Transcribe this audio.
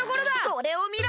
これをみろ！